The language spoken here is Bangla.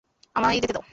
আমায় যেতে দাও।